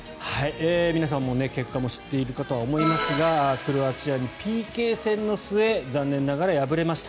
皆さんも結果も知っているかとは思いますがクロアチアにＰＫ戦の末残念ながら敗れました。